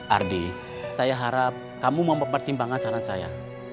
ardi saya harap kamu mempertimbangkan saran saya